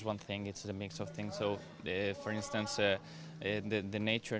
bukan hanya satu hal ini merupakan campuran bagian dari banyak hal